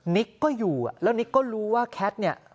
นิกก็อยู่แล้วนิกก็รู้ว่าแคทเนี่ย